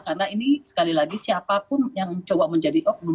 karena ini sekali lagi siapapun yang mencoba menjadi upn